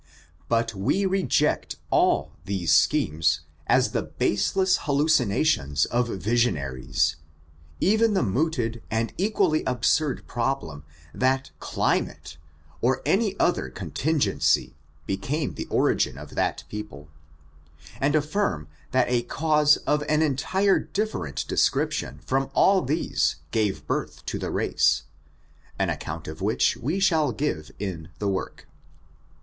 But we reject all these schemes as the baseless hallucinations of vissionaries, even the mooted and equally absurb problem that climaiej or any other contin gency, became the origin of that people, and affirm that a cause of an entire diderent description from all these gave birth to the race, an account of which we shall give in the work.